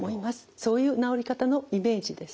そういう治り方のイメージです。